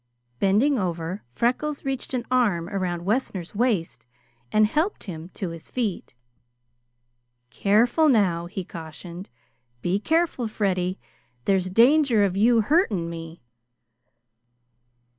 Bending over, Freckles reached an arm around Wessner's waist and helped him to his feet. "Careful, now" he cautioned, "be careful, Freddy; there's danger of you hurting me."